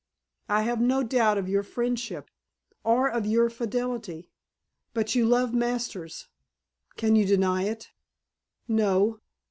"I have no doubt of your friendship or of your fidelity. But you love Masters. Can you deny it?" "No."